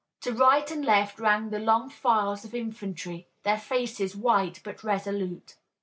To right and left ran the long files of infantry, their faces white but resolute.